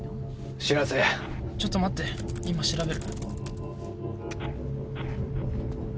白瀬ちょっと待って今調べる